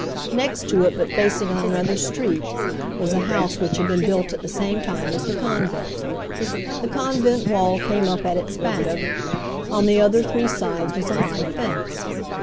Next to it, but facing on another street, was a house which had been built at the same time as the convent. The convent wall came up at its back. On the other three sides was a high fence.